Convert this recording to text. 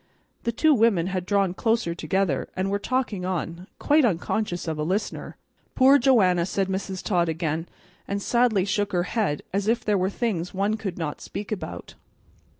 The two women had drawn closer together, and were talking on, quite unconscious of a listener. "Poor Joanna!" said Mrs. Todd again, and sadly shook her head as if there were things one could not speak about.